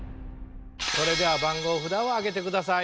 それでは番号札を上げてください。